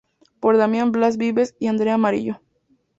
Por Damián Blas Vives y Andrea Amarillo.